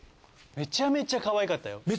めちゃめちゃかわいかったよ。